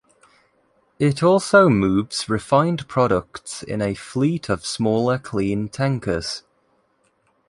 It also moves refined products in a fleet of smaller clean tankers.